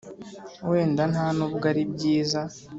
wenda ntanubwo ari byiza